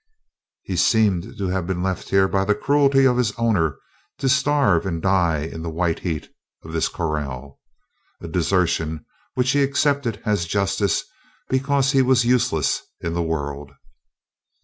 He seemed to have been left here by the cruelty of his owner to starve and die in the white heat of this corral a desertion which he accepted as justice because he was useless in the world.